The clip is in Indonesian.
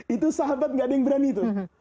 itu sahabat tidak ada yang berani itu